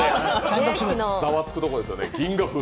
ざわつくところですよね。